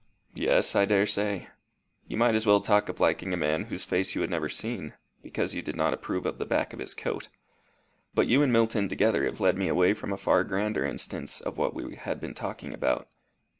"Yes, I daresay. You might as well talk of liking a man whose face you had never seen, because you did not approve of the back of his coat. But you and Milton together have led me away from a far grander instance of what we had been talking about.